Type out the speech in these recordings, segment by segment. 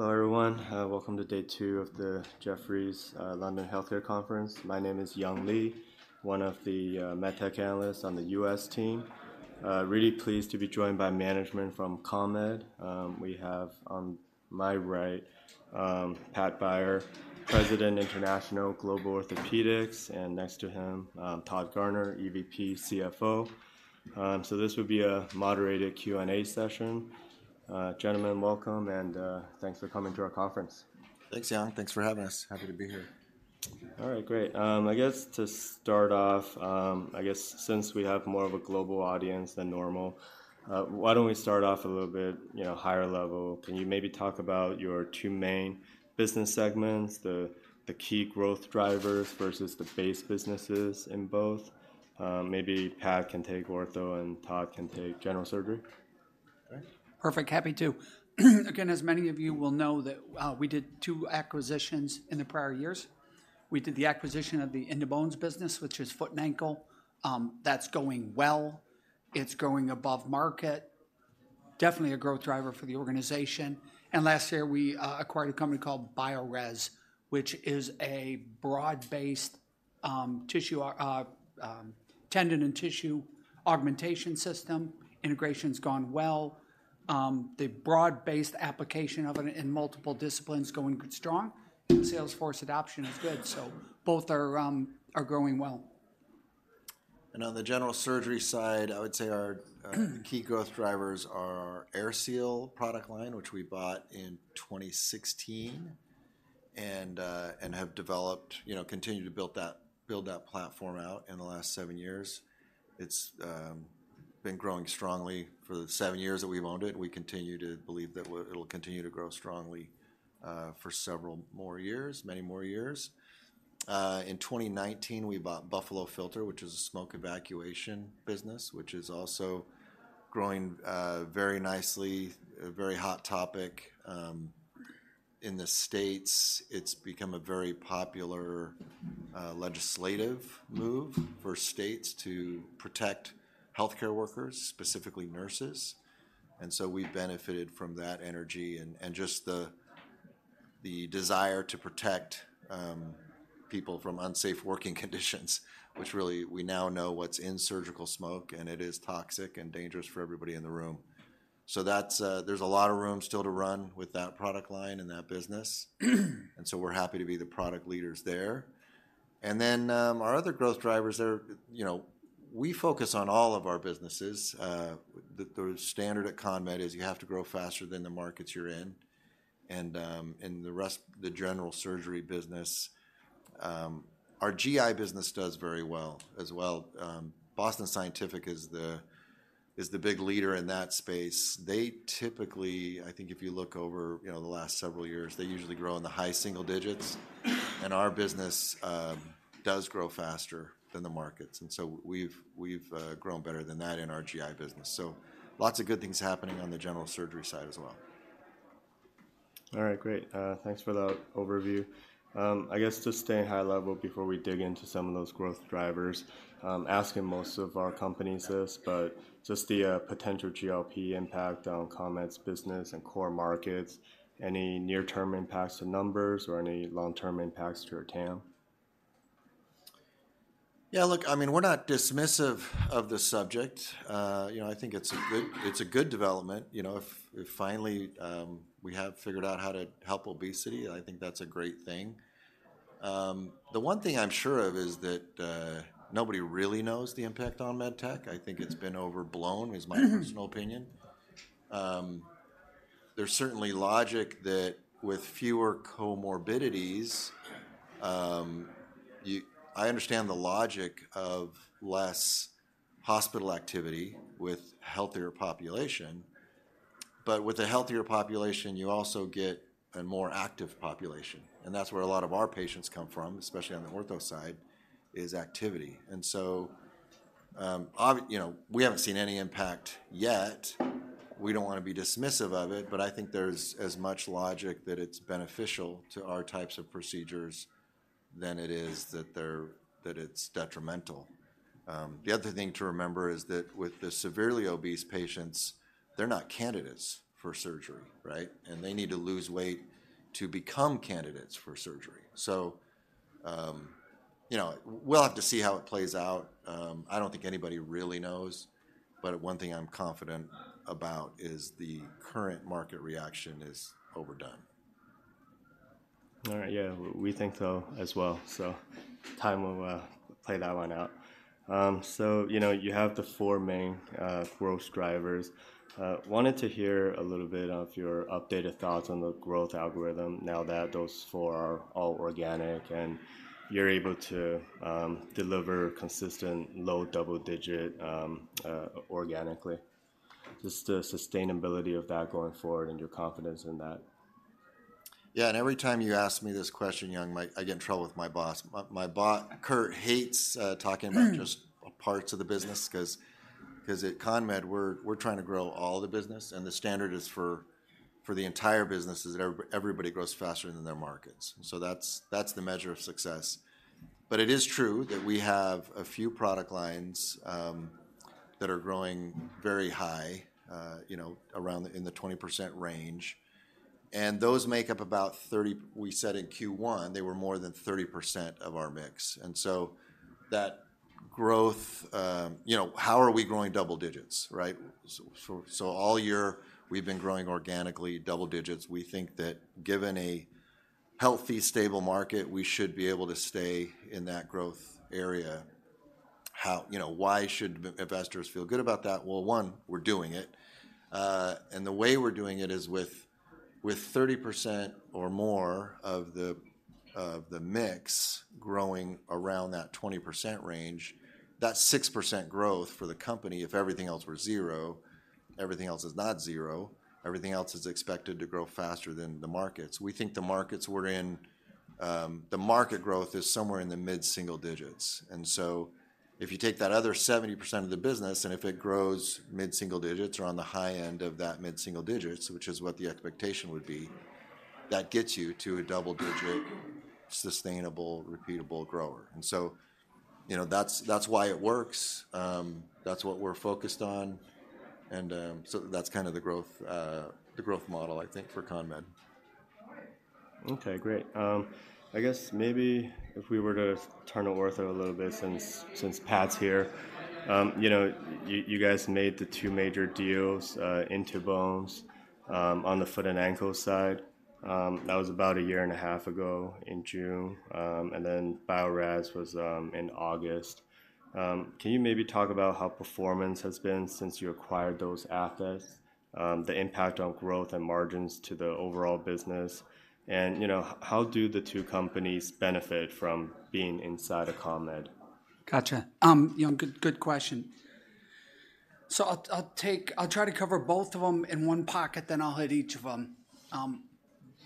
Hello, everyone. Welcome to day two of the Jefferies London Healthcare Conference. My name is Young Li, one of the med tech analysts on the U.S. team. Really pleased to be joined by management from CONMED. We have on my right, Pat Beyer, President, International Global Orthopedics, and next to him, Todd Garner, EVP, CFO. So this will be a moderated Q&A session. Gentlemen, welcome, and thanks for coming to our conference. Thanks, Young. Thanks for having us. Happy to be here. All right, great. I guess to start off, I guess since we have more of a global audience than normal, why don't we start off a little bit, you know, higher level? Can you maybe talk about your two main business segments, the key growth drivers versus the base businesses in both? Maybe Pat can take ortho, and Todd can take general surgery. Okay. Perfect. Happy to. Again, as many of you will know that, we did two acquisitions in the prior years. We did the acquisition of the In2Bones business, which is foot and ankle. That's going well. It's growing above market. Definitely a growth driver for the organization. And last year, we acquired a company called Biorez, which is a broad-based, tissue, tendon and tissue augmentation system. Integration's gone well. The broad-based application of it in multiple disciplines is going good, strong. The sales force adoption is good, so both are growing well. On the general surgery side, I would say our key growth drivers are AirSeal product line, which we bought in 2016, and have developed—you know, continued to build that, build that platform out in the last seven years. It's been growing strongly for the seven years that we've owned it. We continue to believe that it'll continue to grow strongly for several more years, many more years. In 2019, we bought Buffalo Filter, which is a smoke evacuation business, which is also growing very nicely. A very hot topic in the States. It's become a very popular legislative move for states to protect healthcare workers, specifically nurses, and so we've benefited from that energy and just the desire to protect people from unsafe working conditions which really we now know what's in surgical smoke, and it is toxic and dangerous for everybody in the room. So that's... There's a lot of room still to run with that product line and that business, and so we're happy to be the product leaders there. And then our other growth drivers are, you know, we focus on all of our businesses. The standard at CONMED is you have to grow faster than the markets you're in, and the rest, the general surgery business... Our GI business does very well as well. Boston Scientific is the big leader in that space. They typically, I think if you look over, you know, the last several years, they usually grow in the high single digits, and our business does grow faster than the markets. And so we've grown better than that in our GI business, so lots of good things happening on the general surgery side as well. All right, great. Thanks for that overview. I guess just staying high level before we dig into some of those growth drivers, asking most of our companies this, but just the potential GLP impact on CONMED's business and core markets, any near-term impacts to numbers or any long-term impacts to your TAM? Yeah, look, I mean, we're not dismissive of the subject. You know, I think it's a good, it's a good development. You know, if finally we have figured out how to help obesity, I think that's a great thing. The one thing I'm sure of is that nobody really knows the impact on med tech. I think it's been overblown, is my personal opinion. There's certainly logic that with fewer comorbidities, I understand the logic of less hospital activity with healthier population, but with a healthier population, you also get a more active population, and that's where a lot of our patients come from, especially on the ortho side, is activity. And so, you know, we haven't seen any impact yet. We don't want to be dismissive of it, but I think there's as much logic that it's beneficial to our types of procedures than it is that it's detrimental. The other thing to remember is that with the severely obese patients, they're not candidates for surgery, right? They need to lose weight to become candidates for surgery. So, you know, we'll have to see how it plays out. I don't think anybody really knows, but one thing I'm confident about is the current market reaction is overdone. All right. Yeah, we think so as well. So time will play that one out. So, you know, you have the four main growth drivers. Wanted to hear a little bit of your updated thoughts on the growth algorithm now that those four are all organic, and you're able to deliver consistent low double digit organically. Just the sustainability of that going forward and your confidence in that. Yeah, and every time you ask me this question, Young, like, I get in trouble with my boss. My boss, Curt, hates talking about just parts of the business 'cause at CONMED, we're trying to grow all the business, and the standard for the entire business is everybody grows faster than their markets. So that's the measure of success. But it is true that we have a few product lines that are growing very high, you know, around the, in the 20% range, and those make up about 30-- we said in Q1, they were more than 30% of our mix. And so that growth, you know, how are we growing double digits, right? So all year, we've been growing organically double digits. We think that given a healthy, stable market, we should be able to stay in that growth area. How? You know, why should investors feel good about that? Well, one, we're doing it. And the way we're doing it is with 30% or more of the mix growing around that 20% range. That's 6% growth for the company, if everything else were zero. Everything else is not zero. Everything else is expected to grow faster than the markets. We think the markets we're in, the market growth is somewhere in the mid-single digits. And so if you take that other 70% of the business, and if it grows mid-single digits or on the high end of that mid-single digits, which is what the expectation would be, that gets you to a double-digit, sustainable, repeatable grower. So, you know, that's, that's why it works. That's what we're focused on. So that's kind of the growth, the growth model, I think, for CONMED. Okay, great. I guess maybe if we were to turn to ortho a little bit since Pat's here. You know, you guys made the two major deals, In2Bones, on the foot and ankle side. That was about a year and a half ago in June, and then Biorez was in August. Can you maybe talk about how performance has been since you acquired those assets, the impact on growth and margins to the overall business? And, you know, how do the two companies benefit from being inside of CONMED? Gotcha. You know, good, good question. So I'll try to cover both of them in one pocket, then I'll hit each of them.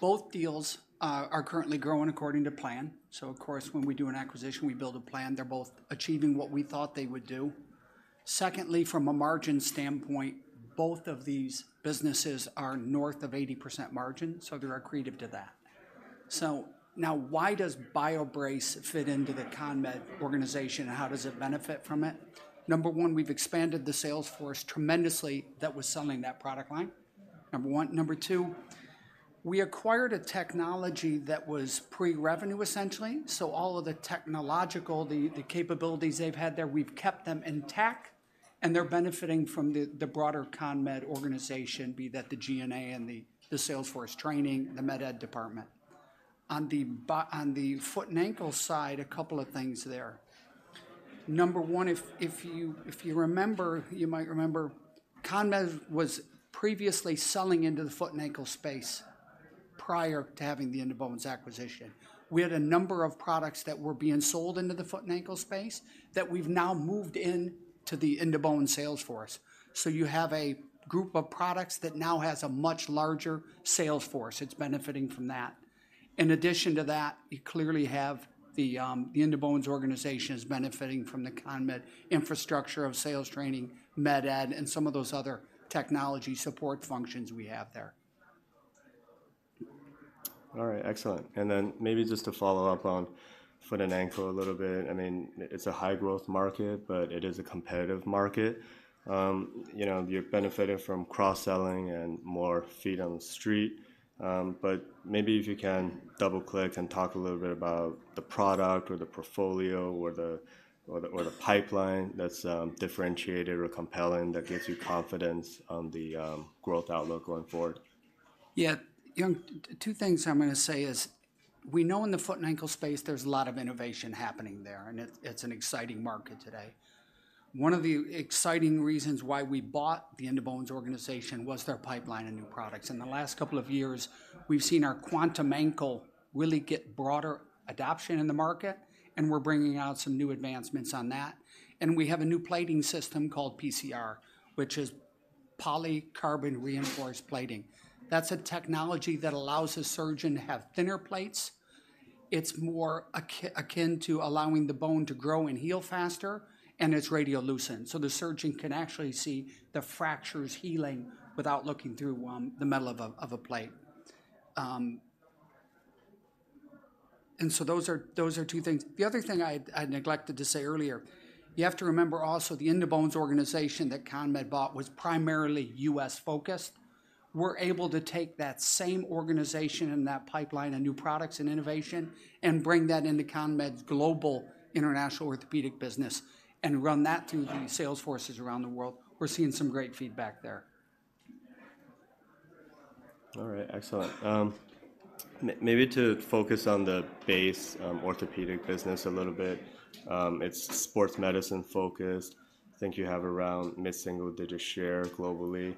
Both deals are currently growing according to plan. So of course, when we do an acquisition, we build a plan. They're both achieving what we thought they would do. Secondly, from a margin standpoint, both of these businesses are north of 80% margin, so they're accretive to that. So now, why does BioBrace fit into the CONMED organization, and how does it benefit from it? Number one, we've expanded the sales force tremendously that was selling that product line, number one. Number two, we acquired a technology that was pre-revenue, essentially, so all of the technological capabilities they've had there, we've kept them intact, and they're benefiting from the broader CONMED organization, be that the G&A and the sales force training, the Med Ed department. On the foot and ankle side, a couple of things there. Number one, if you remember, you might remember, CONMED was previously selling into the foot and ankle space prior to having the In2Bones acquisition. We had a number of products that were being sold into the foot and ankle space that we've now moved into the In2Bones sales force. So you have a group of products that now has a much larger sales force. It's benefiting from that. In addition to that, you clearly have the In2Bones organization benefiting from the CONMED infrastructure of sales training, Med Ed, and some of those other technology support functions we have there. All right, excellent. And then maybe just to follow up on foot and ankle a little bit, I mean, it's a high-growth market, but it is a competitive market. You know, you've benefited from cross-selling and more feet on the street. But maybe if you can double-click and talk a little bit about the product or the portfolio or the pipeline that's differentiated or compelling, that gives you confidence on the growth outlook going forward. Yeah. You know, two things I'm gonna say is, we know in the foot and ankle space, there's a lot of innovation happening there, and it's an exciting market today. One of the exciting reasons why we bought the In2Bones organization was their pipeline and new products. In the last couple of years, we've seen our Quantum ankle really get broader adoption in the market, and we're bringing out some new advancements on that, and we have a new plating system called PCR, which is polycarbonate-reinforced plating. That's a technology that allows a surgeon to have thinner plates. It's more akin to allowing the bone to grow and heal faster, and it's radiolucent, so the surgeon can actually see the fractures healing without looking through the metal of a plate. And so those are two things. The other thing I neglected to say earlier, you have to remember also, the In2Bones organization that CONMED bought was primarily U.S.-focused. We're able to take that same organization and that pipeline of new products and innovation and bring that into CONMED's global international orthopedic business and run that through the sales forces around the world. We're seeing some great feedback there. All right, excellent. Maybe to focus on the base, orthopedic business a little bit, it's sports medicine-focused. I think you have around mid-single-digit share globally.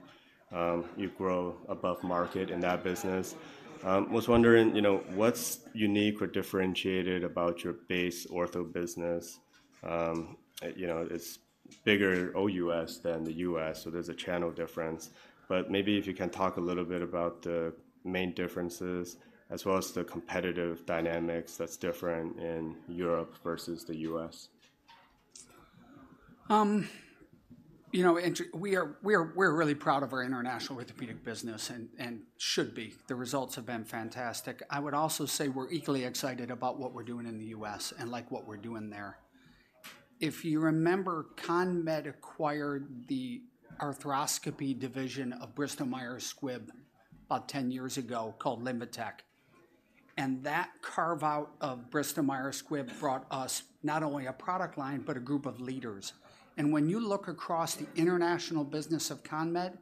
You grow above market in that business. Was wondering, you know, what's unique or differentiated about your base ortho business? You know, it's bigger O.U.S. than the U.S., so there's a channel difference. But maybe if you can talk a little bit about the main differences, as well as the competitive dynamics that's different in Europe versus the US. You know, we're really proud of our international orthopedic business and should be. The results have been fantastic. I would also say we're equally excited about what we're doing in the U.S. and like what we're doing there. If you remember, CONMED acquired the arthroscopy division of Bristol Myers Squibb about 10 years ago called Linvatec. That carve-out of Bristol Myers Squibb brought us not only a product line, but a group of leaders. When you look across the international business of CONMED,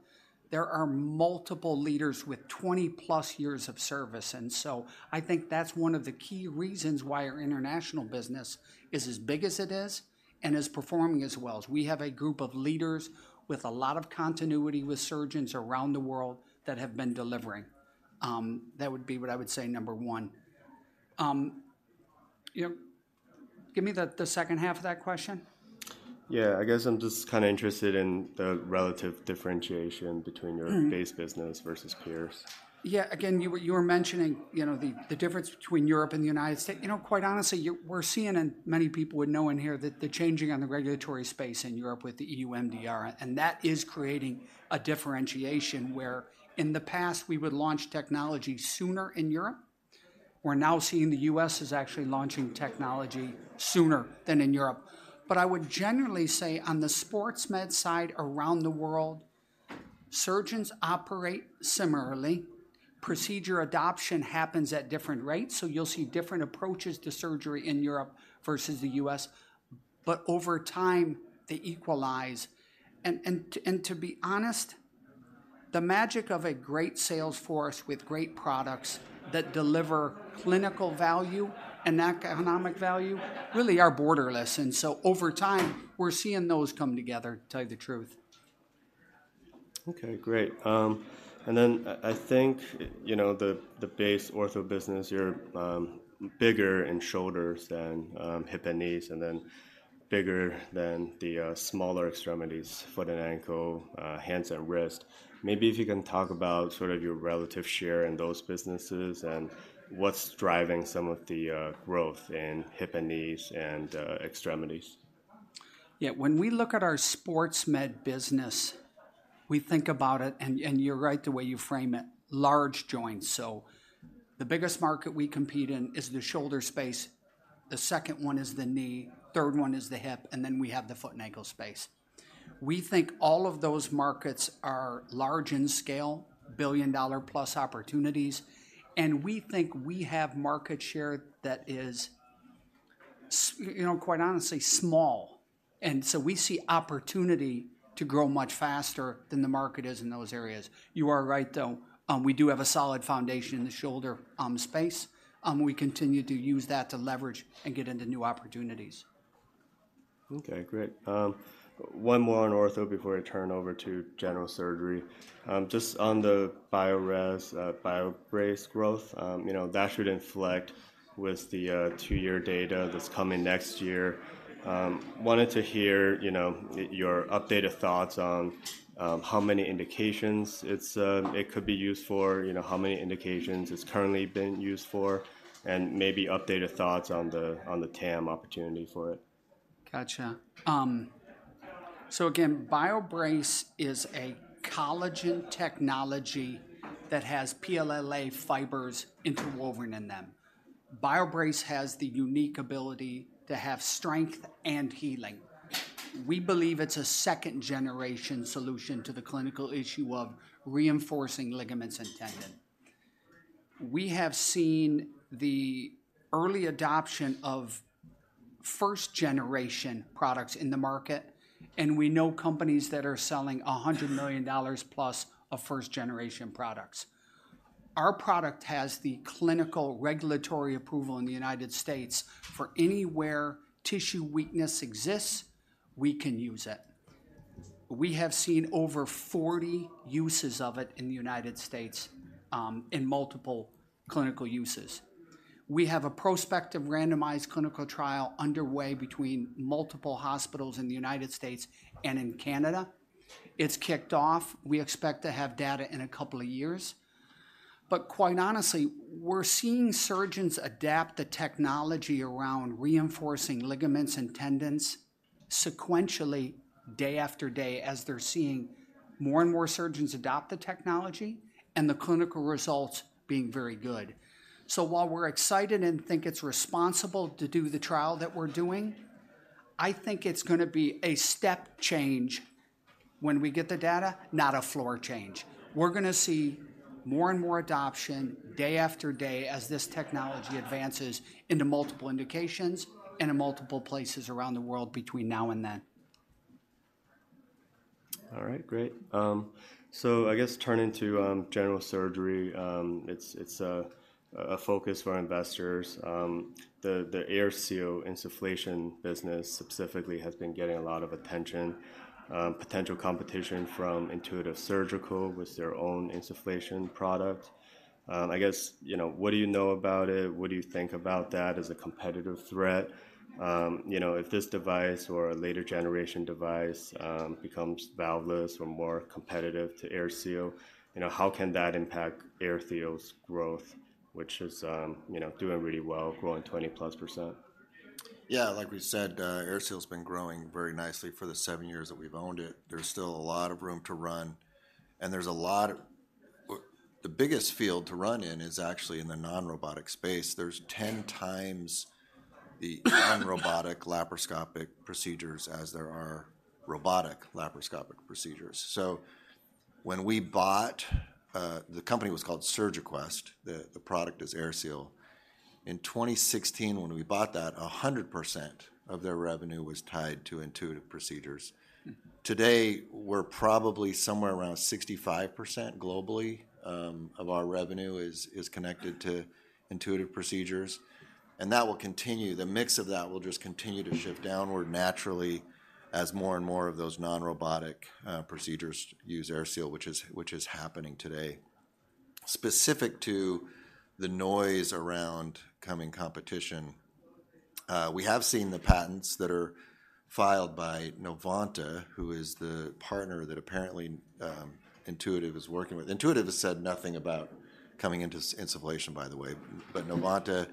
there are multiple leaders with 20-plus years of service, and so I think that's one of the key reasons why our international business is as big as it is and is performing as well, as we have a group of leaders with a lot of continuity with surgeons around the world that have been delivering. That would be what I would say, number one. You know, give me the second half of that question? Yeah, I guess I'm just kinda interested in the relative differentiation between- Mm-hmm. - your base business versus peers. Yeah, again, you were mentioning, you know, the difference between Europe and the United States. You know, quite honestly, you-- we're seeing, and many people would know in here, that the changing on the regulatory space in Europe with the EU MDR, and that is creating a differentiation, where in the past, we would launch technology sooner in Europe. We're now seeing the U.S. is actually launching technology sooner than in Europe. But I would generally say on the sports med side, around the world, surgeons operate similarly. Procedure adoption happens at different rates, so you'll see different approaches to surgery in Europe versus the U.S., but over time, they equalize. And to be honest, the magic of a great sales force with great products that deliver clinical value and economic value really are borderless. Over time, we're seeing those come together, tell you the truth. Okay, great. And then I think, you know, the base ortho business, you're bigger in shoulders than hip and knees, and then bigger than the smaller extremities, foot and ankle, hands and wrist. Maybe if you can talk about sort of your relative share in those businesses, and what's driving some of the growth in hip and knees and extremities? Yeah, when we look at our sports med business, we think about it, and you're right, the way you frame it, large joints. So the biggest market we compete in is the shoulder space, the second one is the knee, third one is the hip, and then we have the foot and ankle space. We think all of those markets are large in scale, billion-dollar-plus opportunities, and we think we have market share that is, you know, quite honestly small. And so we see opportunity to grow much faster than the market is in those areas. You are right, though, we do have a solid foundation in the shoulder space. We continue to use that to leverage and get into new opportunities. Okay, great. One more on ortho before I turn over to general surgery. Just on the Biorez, BioBrace growth, you know, that should inflect with the, two-year data that's coming next year. Wanted to hear, you know, your updated thoughts on, how many indications it's, it could be used for, you know, how many indications it's currently being used for, and maybe updated thoughts on the, on the TAM opportunity for it. Gotcha. So again, BioBrace is a collagen technology that has PLLA fibers interwoven in them. BioBrace has the unique ability to have strength and healing. We believe it's a second-generation solution to the clinical issue of reinforcing ligaments and tendon. We have seen the early adoption of first-generation products in the market, and we know companies that are selling $100 million plus of first-generation products. Our product has the clinical regulatory approval in the United States for anywhere tissue weakness exists, we can use it. We have seen over 40 uses of it in the United States, in multiple clinical uses. We have a prospective randomized clinical trial underway between multiple hospitals in the United States and in Canada. It's kicked off. We expect to have data in a couple of years. But quite honestly, we're seeing surgeons adapt the technology around reinforcing ligaments and tendons sequentially, day after day, as they're seeing more and more surgeons adopt the technology and the clinical results being very good. So while we're excited and think it's responsible to do the trial that we're doing, I think it's gonna be a step change when we get the data, not a floor change. We're gonna see more and more adoption day after day as this technology advances into multiple indications and in multiple places around the world between now and then. All right, great. So I guess turning to general surgery, it's a focus for our investors. The AirSeal insufflation business specifically has been getting a lot of attention, potential competition from Intuitive Surgical with their own insufflation product. I guess, you know, what do you know about it? What do you think about that as a competitive threat? You know, if this device or a later generation device becomes valveless or more competitive to AirSeal, you know, how can that impact AirSeal's growth, which is, you know, doing really well, growing 20+%? Yeah, like we said, AirSeal's been growing very nicely for the seven years that we've owned it. There's still a lot of room to run. Well, the biggest field to run in is actually in the non-robotic space. There's 10 times the non-robotic laparoscopic procedures as there are robotic laparoscopic procedures. So when we bought, the company was called SurgiQuest, the product is AirSeal. In 2016, when we bought that, 100% of their revenue was tied to Intuitive procedures. Today, we're probably somewhere around 65% globally of our revenue is connected to Intuitive procedures, and that will continue. The mix of that will just continue to shift downward naturally, as more and more of those non-robotic procedures use AirSeal, which is happening today. Specific to the noise around coming competition, we have seen the patents that are filed by Novanta, who is the partner that apparently Intuitive is working with. Intuitive has said nothing about coming into insufflation, by the way. But Novanta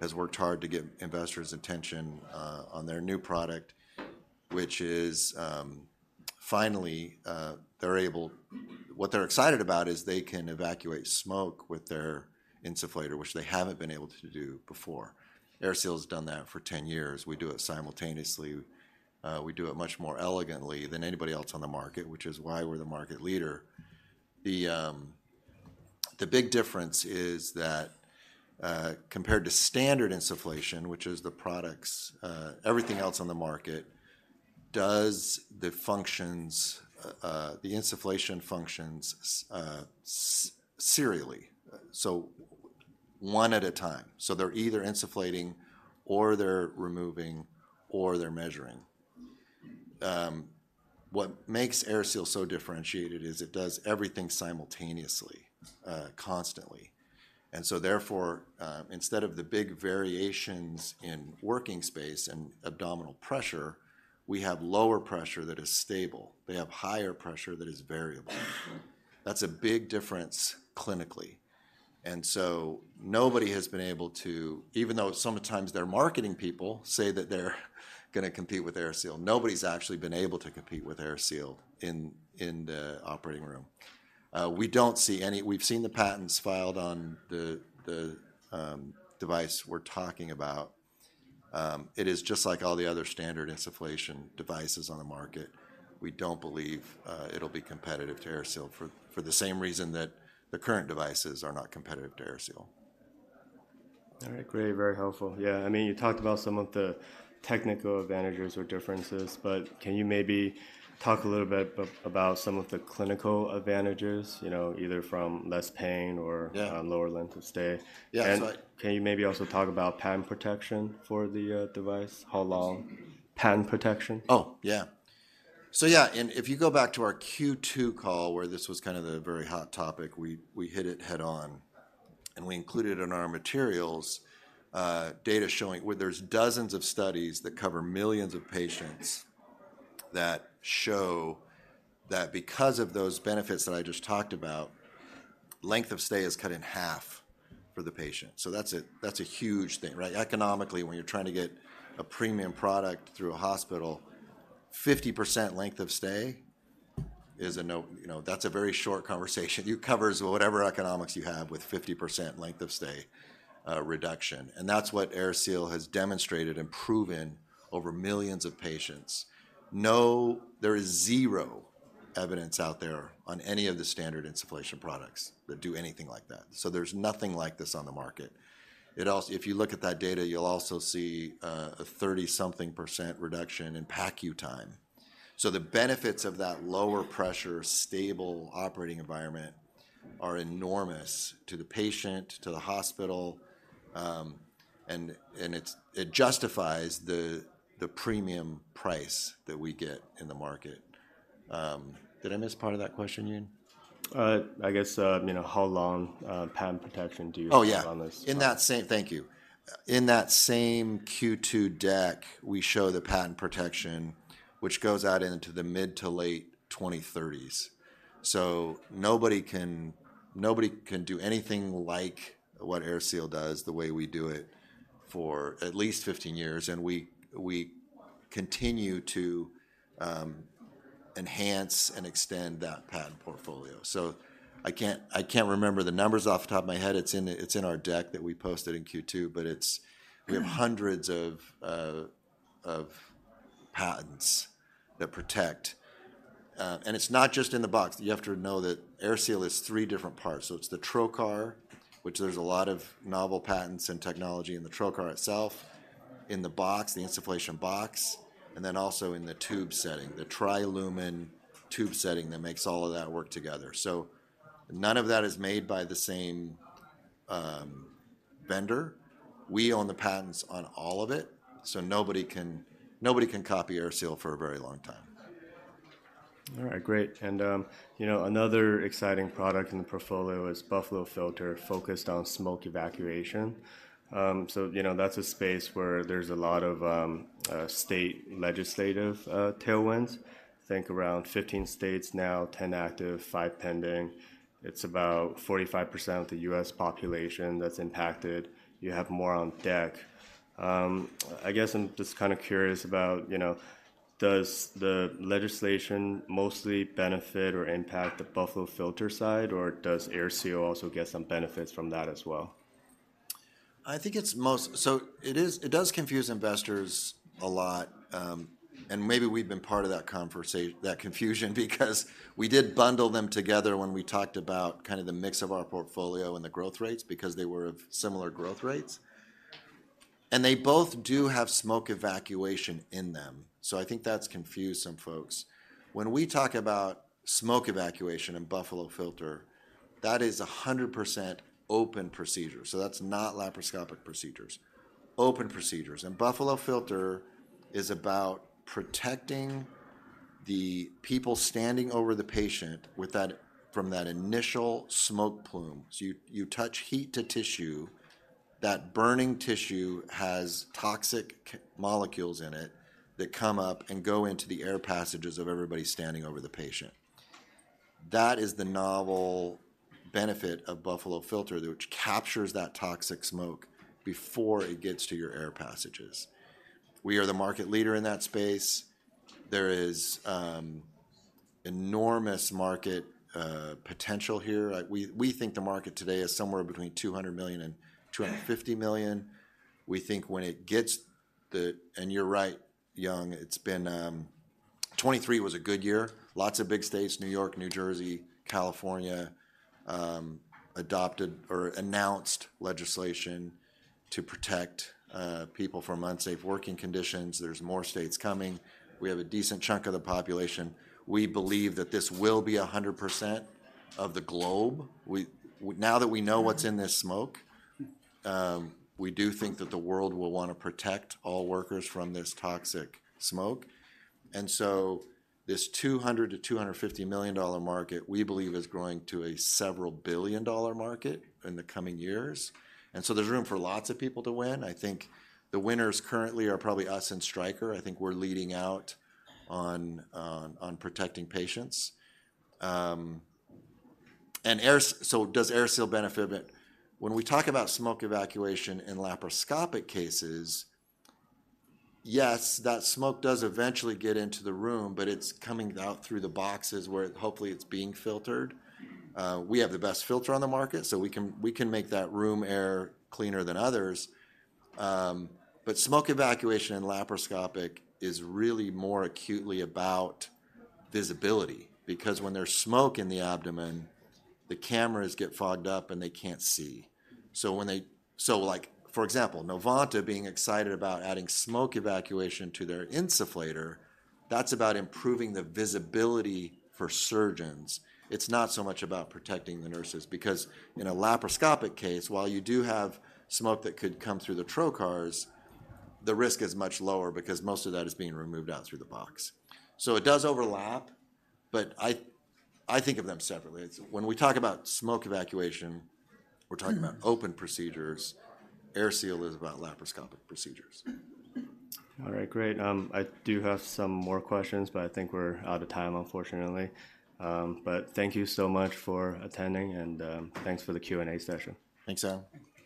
has worked hard to get investors' attention on their new product, which is finally they're able—What they're excited about is they can evacuate smoke with their insufflator, which they haven't been able to do before. AirSeal's done that for 10 years. We do it simultaneously. We do it much more elegantly than anybody else on the market, which is why we're the market leader. The big difference is that, compared to standard insufflation, which is the products, everything else on the market, does the functions, the insufflation functions serially, so one at a time. So they're either insufflating, or they're removing, or they're measuring. What makes AirSeal so differentiated is it does everything simultaneously, constantly. And so therefore, instead of the big variations in working space and abdominal pressure, we have lower pressure that is stable. They have higher pressure that is variable. That's a big difference clinically. And so nobody has been able to, even though sometimes their marketing people say that they're gonna compete with AirSeal, nobody's actually been able to compete with AirSeal in the operating room. We don't see any. We've seen the patents filed on the device we're talking about. It is just like all the other standard insufflation devices on the market. We don't believe, it'll be competitive to AirSeal for the same reason that the current devices are not competitive to AirSeal. All right, great. Very helpful. Yeah, I mean, you talked about some of the technical advantages or differences, but can you maybe talk a little bit about some of the clinical advantages, you know, either from less pain or- Yeah... lower length of stay? Yeah, so- Can you maybe also talk about patent protection for the device? How long- Excuse me? Patent protection. Oh, yeah. So yeah, and if you go back to our Q2 call, where this was kind of the very hot topic, we hit it head-on, and we included in our materials data showing... Well, there's dozens of studies that cover millions of patients that show that because of those benefits that I just talked about, length of stay is cut in half for the patient. So that's a huge thing, right? Economically, when you're trying to get a premium product through a hospital, 50% length of stay is a no. You know, that's a very short conversation. You cover whatever economics you have with 50% length of stay reduction, and that's what AirSeal has demonstrated and proven over millions of patients. No. There is zero evidence out there on any of the standard insufflation products that do anything like that. So there's nothing like this on the market. It also. If you look at that data, you'll also see a 30-something% reduction in PACU time. So the benefits of that lower pressure, stable operating environment are enormous to the patient, to the hospital, and it justifies the premium price that we get in the market. Did I miss part of that question, Young? I guess, you know, how long patent protection do you have on this? Oh, yeah. In that same... Thank you. In that same Q2 deck, we show the patent protection, which goes out into the mid- to late-2030s. So nobody can, nobody can do anything like what AirSeal does, the way we do it, for at least 15 years, and we, we continue to enhance and extend that patent portfolio. So I can't, I can't remember the numbers off the top of my head. It's in, it's in our deck that we posted in Q2, but it's- Mm... we have hundreds of patents that protect. And it's not just in the box. You have to know that AirSeal is three different parts. So it's the trocar, which there's a lot of novel patents and technology in the trocar itself, in the box, the insufflation box, and then also in the tube set, the tri-lumen tube set that makes all of that work together. So none of that is made by the same vendor. We own the patents on all of it, so nobody can, nobody can copy AirSeal for a very long time. All right, great. And, you know, another exciting product in the portfolio is Buffalo Filter, focused on smoke evacuation. So, you know, that's a space where there's a lot of state legislative tailwinds. I think around 15 states now, 10 active, 5 pending. It's about 45% of the U.S. population that's impacted. You have more on deck. I guess I'm just kind of curious about, you know. Does the legislation mostly benefit or impact the Buffalo Filter side, or does AirSeal also get some benefits from that as well? I think it's so it is, it does confuse investors a lot, and maybe we've been part of that confusion, because we did bundle them together when we talked about kind of the mix of our portfolio and the growth rates, because they were of similar growth rates. And they both do have smoke evacuation in them, so I think that's confused some folks. When we talk about smoke evacuation and Buffalo Filter, that is 100% open procedure. So that's not laparoscopic procedures, open procedures. And Buffalo Filter is about protecting the people standing over the patient from that initial smoke plume. So you touch heat to tissue, that burning tissue has toxic chemical molecules in it, that come up and go into the air passages of everybody standing over the patient. That is the novel benefit of Buffalo Filter, which captures that toxic smoke before it gets to your air passages. We are the market leader in that space. There is enormous market potential here. Like, we think the market today is somewhere between 200 million and 250 million. We think when it gets the... And you're right, Young, it's been 2023 was a good year. Lots of big states, New York, New Jersey, California, adopted or announced legislation to protect people from unsafe working conditions. There's more states coming. We have a decent chunk of the population. We believe that this will be 100% of the globe. We, now that we know what's in this smoke, we do think that the world will want to protect all workers from this toxic smoke. This $200-$250 million market, we believe, is growing to a several billion-dollar market in the coming years, and so there's room for lots of people to win. I think the winners currently are probably us and Stryker. I think we're leading out on protecting patients. And AirSeal—so does AirSeal benefit? When we talk about smoke evacuation in laparoscopic cases, yes, that smoke does eventually get into the room, but it's coming out through the boxes, where hopefully it's being filtered. We have the best filter on the market, so we can make that room air cleaner than others. But smoke evacuation in laparoscopic is really more acutely about visibility, because when there's smoke in the abdomen, the cameras get fogged up, and they can't see. So like, for example, Novanta being excited about adding smoke evacuation to their insufflator, that's about improving the visibility for surgeons. It's not so much about protecting the nurses, because in a laparoscopic case, while you do have smoke that could come through the trocars, the risk is much lower because most of that is being removed out through the box. So it does overlap, but I think of them separately. It's when we talk about smoke evacuation, we're talking about open procedures. AirSeal is about laparoscopic procedures. All right, great. I do have some more questions, but I think we're out of time, unfortunately. But thank you so much for attending, and thanks for the Q&A session. Thanks, Young.